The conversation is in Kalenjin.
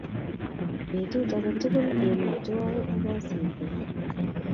Petut ake tukuk kemi twai akoosikey.